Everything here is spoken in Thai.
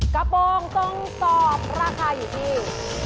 กระโปรงทรงตอบราคาอยู่ที่